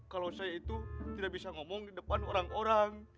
kalau saya itu tidak bisa ngomong di depan orang orang